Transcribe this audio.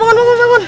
bangun bangun bangun